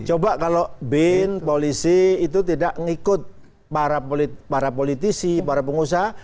coba kalau bin polisi itu tidak mengikut para politisi para pengusaha